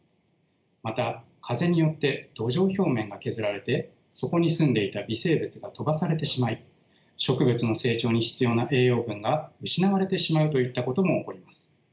また風によって土壌表面が削られてそこにすんでいた微生物が飛ばされてしまい植物の成長に必要な栄養分が失われてしまうといったことも起こります。